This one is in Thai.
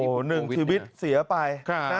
โอ้โหหนึ่งชีวิตเสียไป